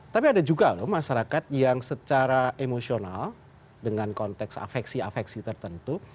tapi ada juga loh masyarakat yang secara emosional dengan konteks afeksi afeksi tertentu